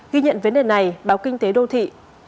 ghi nhận vấn đề này báo kinh tế đô thị